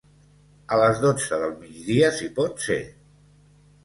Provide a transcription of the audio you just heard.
A les dotze del migdia si pot ser.